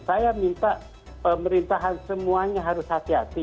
saya minta pemerintahan semuanya harus hati hati